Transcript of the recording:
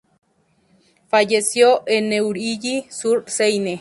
Falleció en Neuilly-sur-Seine.